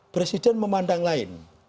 presiden memandang lain